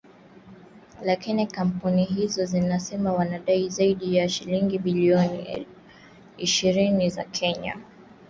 Lakini kampuni hizo zinasema wanadai zaidi ya shilingi bilioni ishirini za Kenya (dola milioni mia moja sabini na tatu)